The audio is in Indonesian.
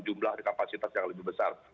jumlah kapasitas yang lebih besar